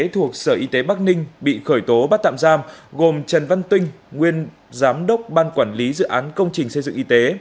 thuộc sở y tế bắc ninh bị khởi tố bắt tạm giam gồm trần văn tinh nguyên giám đốc ban quản lý dự án công trình xây dựng y tế